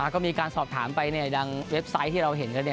ก็มีการสอบถามไปเนี่ยดังเว็บไซต์ที่เราเห็นเลยเนี่ย